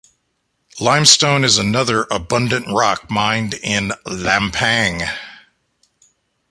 Limestone is another abundant rock mined in Lampang.